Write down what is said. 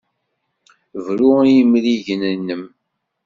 Bru i yimrigen-nnem!